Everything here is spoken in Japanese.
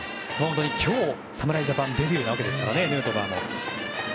今日、侍ジャパンデビューですからねヌートバーも。